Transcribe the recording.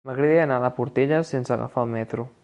M'agradaria anar a la Portella sense agafar el metro.